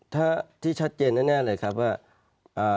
ถ้าที่ชัดเจนแน่เลยครับว่า